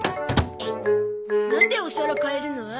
なんでお皿変えるの？